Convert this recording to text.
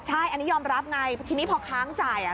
ใช่อันนี้ยอมรับไงทีนี้พอค้างจ่ายอ่ะ